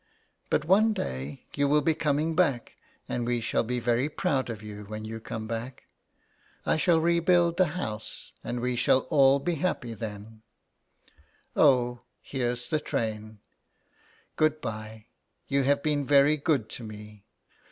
But one day you will be coming back, and we shall be very proud of you when you come back. I shall rebuild the house, and we shall be all happy then. Oh! here's the train. Good bye; you have been very good to me.